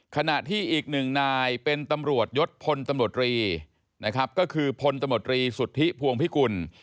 ขณะที่อีกหนึ่งนายเป็นตำรวจยศพลตำรวจรีนะครับก็คือพลตำรวจรีสุทธิพวงพิกุล